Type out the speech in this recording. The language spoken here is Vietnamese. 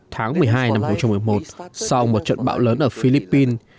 tháng một mươi hai năm hai nghìn một mươi một sau một trận bão lớn ở philippines